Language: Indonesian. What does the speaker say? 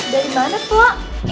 dari mana pak